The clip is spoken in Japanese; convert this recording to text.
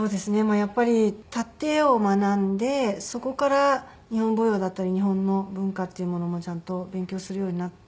やっぱり殺陣を学んでそこから日本舞踊だったり日本の文化っていうものもちゃんと勉強するようになって。